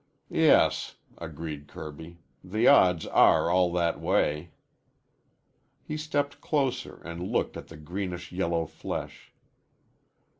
"Yes," agreed Kirby. "The odds are all that way." He stepped closer and looked at the greenish yellow flesh.